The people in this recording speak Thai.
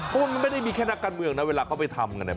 พวกมันไม่ได้มีแค่นักการเมืองนะเวลาเขาไปทำกัน